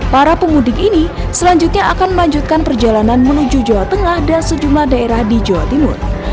para pemudik ini selanjutnya akan melanjutkan perjalanan menuju jawa tengah dan sejumlah daerah di jawa timur